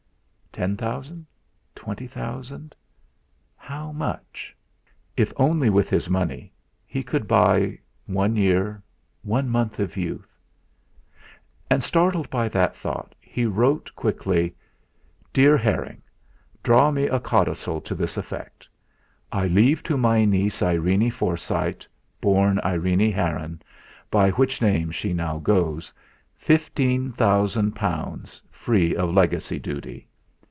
Ten thousand, twenty thousand how much? If only with his money he could buy one year, one month of youth. And startled by that thought, he wrote quickly: '.EAR HERRING, Draw me a codicil to this effect: "I leave to my niece Irene Forsyte, born Irene Heron, by which name she now goes, fifteen thousand pounds free of legacy duty."